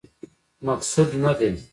مقصود نه دی.